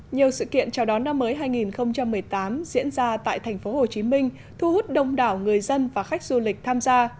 nhiều sự kiện chào đón năm mới hai nghìn một mươi tám diễn ra tại thành phố hồ chí minh thu hút đông đảo người dân và khách du lịch tham gia